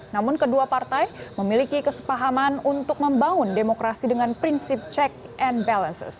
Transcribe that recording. namun kedua partai memiliki kesepahaman untuk membangun demokrasi dengan prinsip check and balances